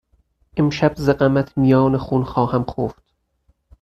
امشب ز غمت میان خون خواهم خفت